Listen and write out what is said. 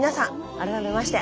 改めまして。